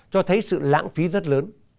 cho thấy sự lãng phí rất lớn